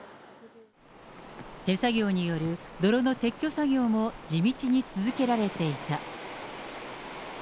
手作業による泥の撤去作業も地道に続けられていた。